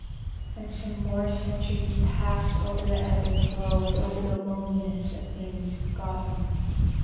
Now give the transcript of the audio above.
And some more centuries passed over the ebb and flow and over the loneliness of things for gotten.